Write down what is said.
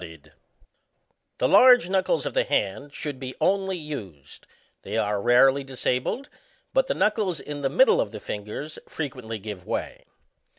Digitized by VjOOQIC 20 BOXIANA ; OR, The large knuckles of the hand should be only used ; they are rarely disabled ; but the knuckles in the middle of the fingers frequently give way.